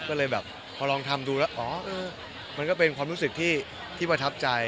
ก็เลยแบบพอลองทำดูแล้วอ๋อมันก็เป็นความรู้สึกที่ประทับใจ